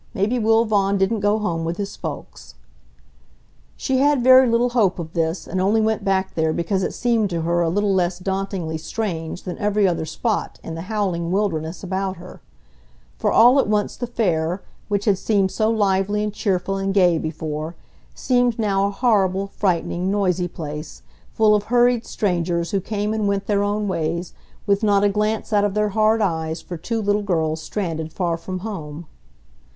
Maybe Will Vaughan didn't go home with his folks." She had very little hope of this, and only went back there because it seemed to her a little less dauntingly strange than every other spot in the howling wilderness about her; for all at once the Fair, which had seemed so lively and cheerful and gay before, seemed now a horrible, frightening, noisy place, full of hurried strangers who came and went their own ways, with not a glance out of their hard eyes for two little girls stranded far from home.